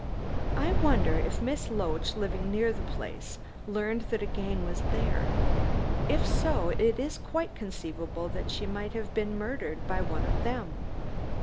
I wonder if Miss Loach, living near the place, learned that a gang was there. If so, it is quite conceivable that she might have been murdered by one of them.